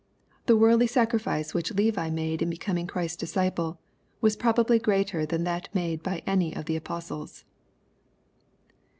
The worldly sacrifice which Levi made in be coming Christ's disciple, was probably greater than that made by any of the apostles.